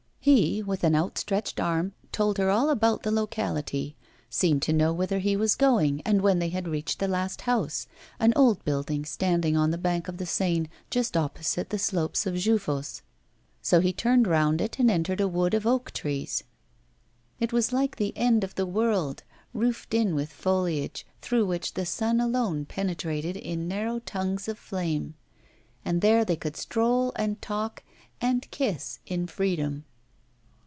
He, with an outstretched arm, told her all about the locality; seemed to know whither he was going, and when they had reached the last house an old building, standing on the bank of the Seine, just opposite the slopes of Jeufosse turned round it, and entered a wood of oak trees. It was like the end of the world, roofed in with foliage, through which the sun alone penetrated in narrow tongues of flame. And there they could stroll and talk and kiss in freedom.